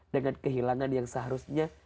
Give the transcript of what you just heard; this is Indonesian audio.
dengan kehilangan yang seharusnya